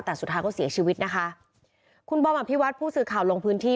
แต่สุดท้ายก็เสียชีวิตนะคะคุณบอมอภิวัตผู้สื่อข่าวลงพื้นที่